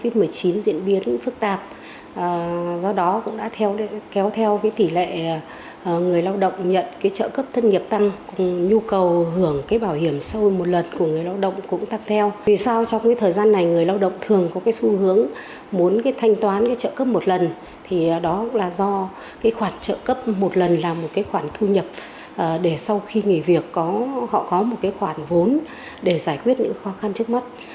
trợ cấp một lần là một khoản thu nhập để sau khi nghỉ việc họ có một khoản vốn để giải quyết những khó khăn trước mắt